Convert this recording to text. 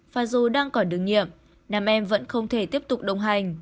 và dù đang còn đường nhiệm nam em vẫn không thể tiếp tục đồng hành